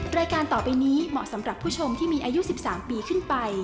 รายการต่อไปนี้เหมาะสำหรับผู้ชมที่มีอายุ๑๓ปีขึ้นไป